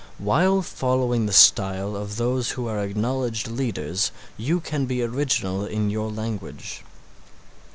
While following the style of those who are acknowledged leaders you can be original in your language.